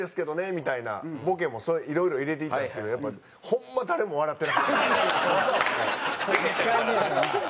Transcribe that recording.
みたいなボケもいろいろ入れていったんですけどやっぱホンマ１回目やから。